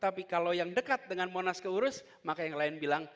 tapi kalau yang dekat dengan monas keurus maka yang lain bilang